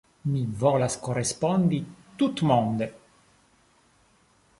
Mi volas korespondi tutmonde.